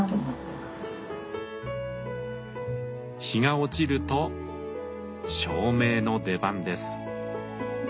日が落ちると照明の出番です。